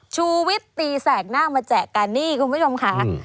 ชูวิตตีแสกหน้ามาแจกกันนี่คุณผู้ชมค่ะ